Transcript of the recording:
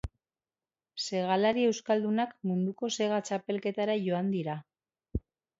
Segalari euskaldunak munduko sega txapelketara joan dira.